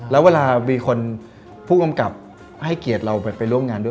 แล้วเวลามีคนผู้กำกับให้เกียรติเราไปร่วมงานด้วย